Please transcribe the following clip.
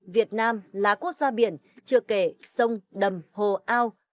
việt nam là quốc gia biển chưa kể sông đầm hồ ao